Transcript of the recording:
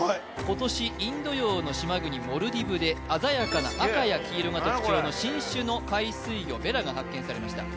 今年インド洋の島国モルディブで鮮やかな赤や黄色が特徴の新種の海水魚ベラが発見されました